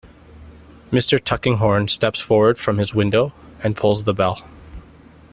Mr. Tulkinghorn steps forward from his window and pulls the bell.